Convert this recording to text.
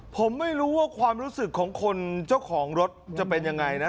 ผมไม่รู้ว่าความรู้สึกของคนเจ้าของรถจะเป็นยังไงนะ